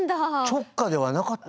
直下ではなかった。